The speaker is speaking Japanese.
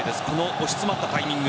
押し迫ったタイミング。